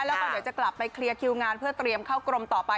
แล้วก็เดี๋ยวจะกลับไปเคลียร์คิวงานเพื่อเตรียมเข้ากรมต่อไป